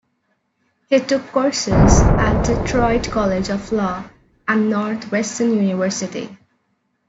He took courses at Detroit College of Law and Northwestern University.